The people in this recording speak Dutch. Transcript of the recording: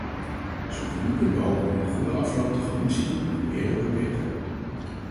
Zodoende kunnen we hopelijk een goede afloop tegemoet zien, en hoe eerder hoe beter!